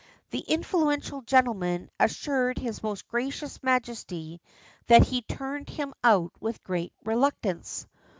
The influential gentleman assured his most gracious Majesty that he turned him out with great reluctance.